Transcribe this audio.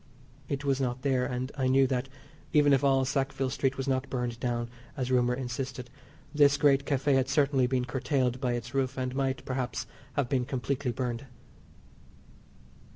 It was not there, and I knew that, even if all Sackville Street was not burned down, as rumour insisted, this great Café had certainly been curtailed by its roof and might, perhaps, have been completely burned.